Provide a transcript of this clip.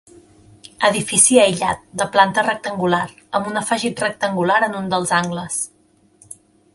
Edifici aïllat, de planta rectangular, amb un afegit rectangular en un dels angles.